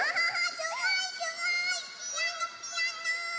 すごいすごいピアノピアノ！